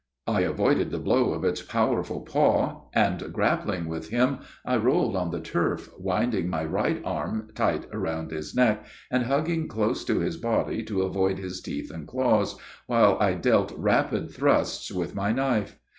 I avoided the blow of its powerful paw, and grappling with him I rolled on the turf, winding my right arm tight around his neck, and hugging close to his body to avoid his teeth and claws, while I dealt rapid thrusts with my knife.